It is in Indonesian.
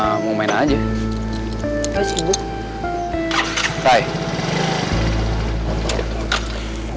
akhirnya aku marah